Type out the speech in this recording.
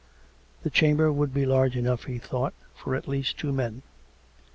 The chamber would be large enough, he thought, for at least two men.